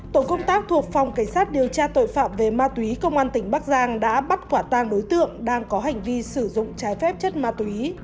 tổ công tác thuộc phòng cảnh sát điều tra tội phạm về ma túy công an tỉnh bắc giang đã bắt quả tang đối tượng đang có hành vi sử dụng trái phép chất ma túy